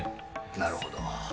なるほど。